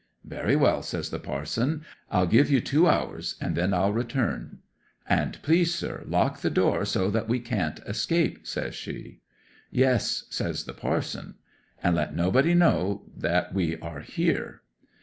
'"Very well," says the parson. "I'll give you two hours, and then I'll return." '"And please, sir, lock the door, so that we can't escape!" says she. '"Yes," says the parson. '"And let nobody know that we are here."